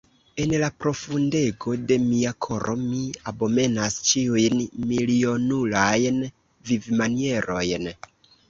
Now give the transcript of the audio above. En la profundego de mia koro mi abomenas ĉiujn milionulajn vivmanierojn!